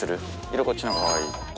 色こっちの方がかわいい。